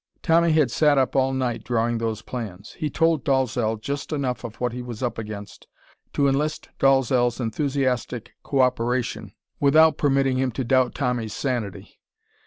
Tommy had sat up all night drawing those plans. He told Dalzell just enough of what he was up against to enlist Dalzell's enthusiastic cooperation without permitting him to doubt Tommy's sanity.